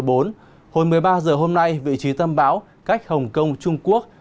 hồi một mươi ba h hôm nay vị trí tâm bão cách hồng kông trung quốc